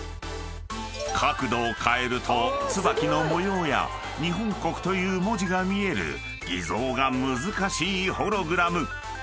［角度を変えるとツバキの模様や日本国という文字が見える偽造が難しい］